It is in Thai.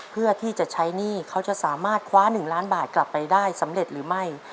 เพื่อที่จะใช้หนี้เขาจะสามารถคว้า๑ล้านบาทกลับไปได้สำเร็จหรือไม่